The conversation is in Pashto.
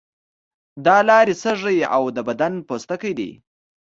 دا لارې سږی او د بدن پوستکی دي.